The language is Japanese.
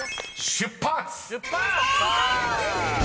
出発！